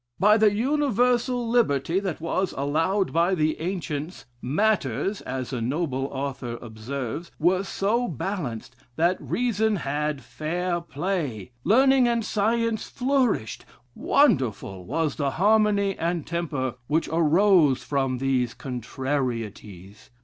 By the universal liberty that was allowed by the ancients, 'Matters (as a noble author observes) were so balanced, that reason had fair play; learning and science flourished; wonderful was the harmony and temper which arose from these contrarieties.